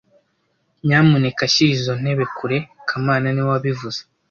Nyamuneka shyira izo ntebe kure kamana niwe wabivuze